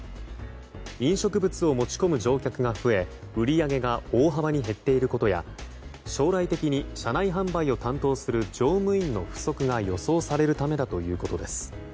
飲食物を持ち込む乗客が増え売り上げが大幅に減っていることや将来的に車内販売を担当する乗務員の不足が予想されるためだということです。